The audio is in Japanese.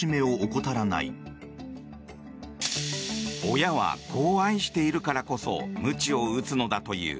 親は子を愛しているからこそむちを打つのだという。